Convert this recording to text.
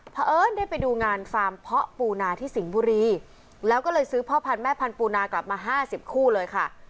เพราะเอิ้นได้ไปดูงานฟาร์มเพาะปูนาที่สิงห์บุรีแล้วก็เลยซื้อพ่อพันธ์แม่พันธุนากลับมา๕๐คู่เลยค่ะ